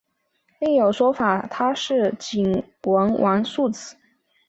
另有说法他是景文王庶子。